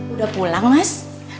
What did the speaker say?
udah pulang mas